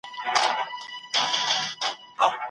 ستونزي د بریالیتوب پیل دی.